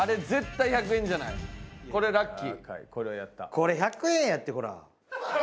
これ１００円やってほら。